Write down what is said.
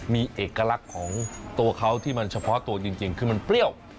มีเอกลักษณ์ของตัวเขาที่มันเฉพาะตัวจริงคือมันเปรี้ยว